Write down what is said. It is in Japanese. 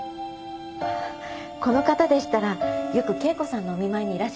ああこの方でしたらよく圭子さんのお見舞いにいらっしゃいます。